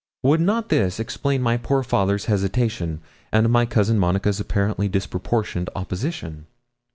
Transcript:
Would not this explain my poor father's hesitation, and my cousin Monica's apparently disproportioned opposition?